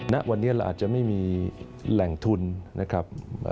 ณวันนี้เราอาจจะไม่มีแหล่งทุนนะครับ